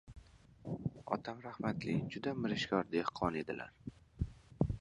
Otam rahmatli juda mirishkor dehqon edilar.